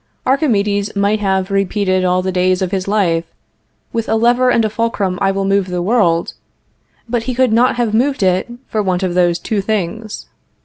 Archimedes might have repeated all the days of his life, "With a lever and a fulcrum I will move the world," but he could not have moved it, for want of those two things.